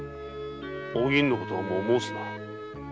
お銀のことはもう申すな。